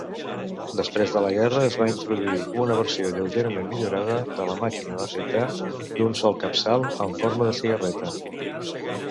Després de la guerra, es va introduir una versió lleugerament millorada de la màquina d'afaitar d'un sol capçal amb forma de cigarreta.